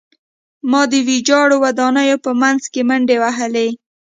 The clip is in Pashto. ما د ویجاړو ودانیو په منځ کې منډې وهلې